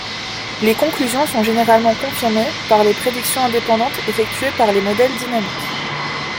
Les conclusions sont généralement confirmées par les prédictions indépendantes effectuées par les modèles dynamiques.